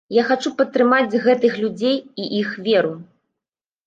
Я хачу падтрымаць гэтых людзей і іх веру.